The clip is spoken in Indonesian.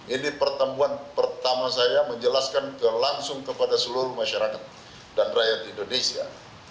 ini pertemuan pertama saya menjelaskan langsung kepada seluruh masyarakat dan rakyat indonesia